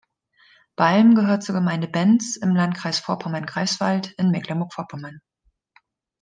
Balm gehört zur Gemeinde Benz im Landkreis Vorpommern-Greifswald in Mecklenburg-Vorpommern.